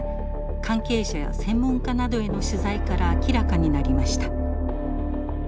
関係者や専門家などへの取材から明らかになりました。